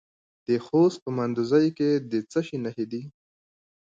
د خوست په مندوزیو کې د څه شي نښې دي؟